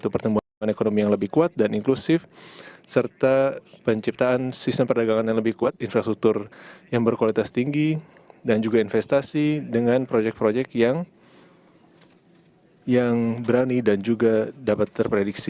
pertumbuhan ekonomi yang lebih kuat dan inklusif serta penciptaan sistem perdagangan yang lebih kuat infrastruktur yang berkualitas tinggi dan juga investasi dengan proyek proyek yang berani dan juga dapat terprediksi